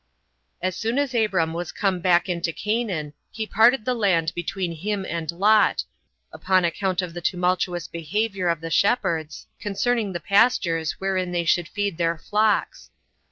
3. As soon as Abram was come back into Canaan, he parted the land between him and Lot, upon account of the tumultuous behavior of their shepherds, concerning the pastures wherein they should feed their flocks.